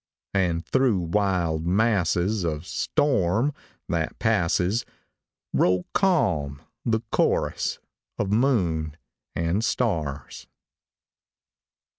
And through wild masses of storm, that passes, Roll calm the chorus of moon and stars.